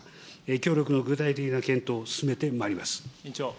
協力の具体的な検討を進めてまいります。